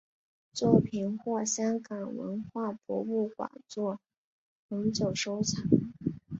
作品获香港文化博物馆作永久收藏。